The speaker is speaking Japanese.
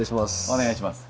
お願いします。